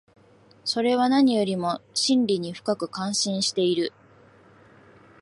それは何よりも真理に深く関心している。